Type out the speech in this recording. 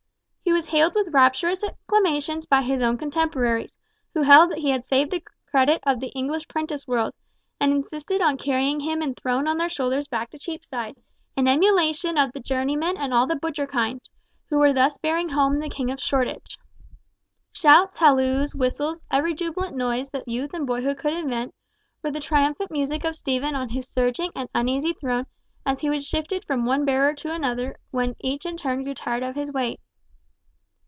He was hailed with rapturous acclamations by his own contemporaries, who held that he had saved the credit of the English prentice world, and insisted on carrying him enthroned on their shoulders back to Cheapside, in emulation of the journeymen and all the butcher kind, who were thus bearing home the King of Shoreditch. Shouts, halloos, whistles, every jubilant noise that youth and boyhood could invent, were the triumphant music of Stephen on his surging and uneasy throne, as he was shifted from one bearer to another when each in turn grew tired of his weight.